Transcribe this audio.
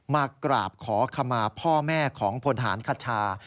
มากราบขอคำมาพ่อแม่ของพลธาณฑ์คัชชา